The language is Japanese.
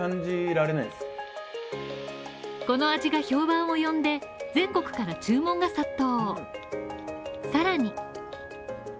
この味が評判を呼んで、全国から注文が殺到。